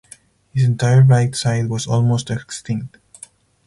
His entire right side was almost extinct.